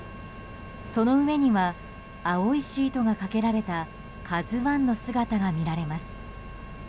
その上には青いシートがかけられた「ＫＡＺＵ１」の姿が見られます。